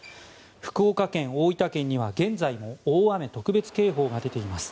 福岡県、大分県には現在も大雨特別警報が出ています。